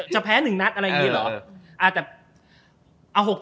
จะแพ้หนึ่งนัดอะไรอย่างนี้หรอ